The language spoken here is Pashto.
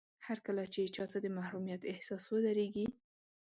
هرکله چې چاته د محروميت احساس ودرېږي.